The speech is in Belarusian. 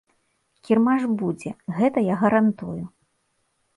Кірмаш будзе, гэта я гарантую.